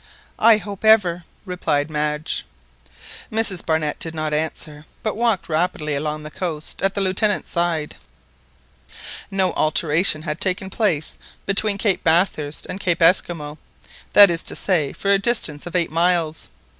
"I hope ever!" replied Madge. Mrs Barnett did not answer, but walked rapidly along the coast at the Lieutenant's side. No alteration had taken place between Cape Bathurst and Cape Esquimaux, that is to say, for a distance of eight miles.